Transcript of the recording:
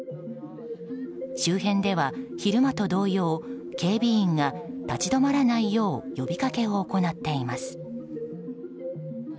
周辺では、昼間と同様警備員が立ち止まらないよう呼びかけを行っています。